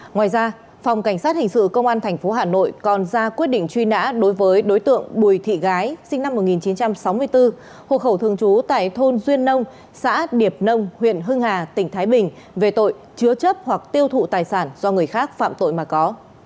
ngoài ra phòng cảnh sát hình sự công an tp hà nội còn ra quyết định truy nã đối với đối tượng bùi thị gái sinh năm một nghìn chín trăm sáu mươi bốn hộ khẩu thường trú tại thôn duyên nông xã điệp nông huyện hưng hà tỉnh thái bình về tội chứa chấp hoặc tiêu thụ tài sản do người khác phạm tội mà có